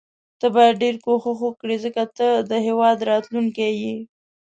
ته باید ډیر کوښښ وکړي ځکه ته د هیواد راتلوونکی یې.